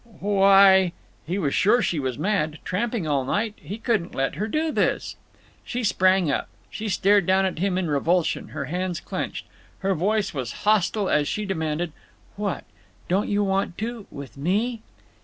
"Wh h h h y—" He was sure she was mad. Tramping all night! He couldn't let her do this. She sprang up. She stared down at him in revulsion, her hands clenched. Her voice was hostile as she demanded: "What? Don't you want to? With _me?